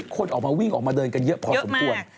คนออกมาวิ่งออกมาเดินกันเยอะพอสมควร